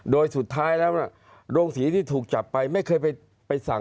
โดยสุดท้ายแล้วโรงศรีที่ถูกจับไปไม่เคยไปสั่ง